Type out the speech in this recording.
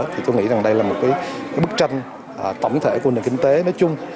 thì tôi nghĩ rằng đây là một bức tranh tổng thể của nền kinh tế nói chung